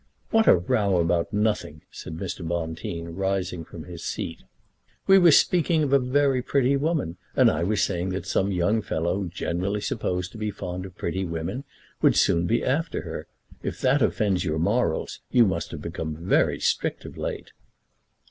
"What a row about nothing!" said Mr. Bonteen, rising from his seat. "We were speaking of a very pretty woman, and I was saying that some young fellow generally supposed to be fond of pretty women would soon be after her. If that offends your morals you must have become very strict of late."